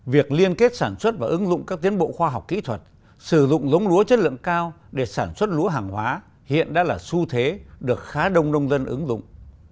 việc liên kết sản xuất và ứng dụng các tiến bộ khoa học kỹ thuật sử dụng giống lúa chất lượng cao để sản xuất lúa hàng hóa hiện đã là xu thế được khá đông nông dân ứng dụng